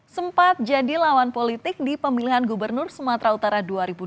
sempat jadi lawan politik di pemilihan gubernur sumatera utara dua ribu delapan belas